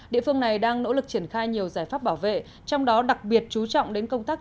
địa phương này đang nỗ lực triển khai nhiều giải pháp bảo vệ trong đó đặc biệt chú trọng đến công tác